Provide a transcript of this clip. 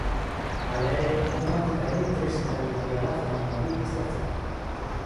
Hala ere, matematika ere tresna erabilgarria da fenomeno hori aztertzeko.